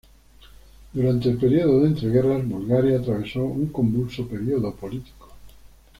Durante el período de entreguerras, Bulgaria atravesó un convulso período político.